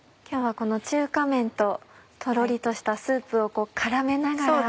今日はこの中華めんととろりとしたスープを絡めながら。